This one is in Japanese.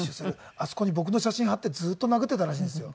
あそこに僕の写真貼ってずっと殴っていたらしいんですよ。